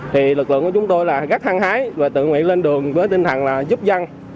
thì lực lượng của chúng tôi là gắt thăng hái và tự nguyện lên đường với tinh thần giúp dân